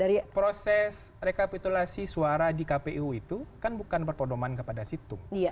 ya proses rekapitulasi suara di kpu itu kan bukan berpedoman kepada situng